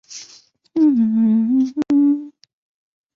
其它改装主要是为了更好地支持机上人员。